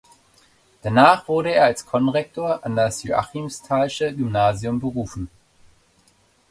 Danach wurde er als Konrektor an das Joachimsthalsche Gymnasium berufen.